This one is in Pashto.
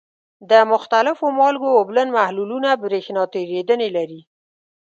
د مختلفو مالګو اوبلن محلولونه برېښنا تیریدنې لري.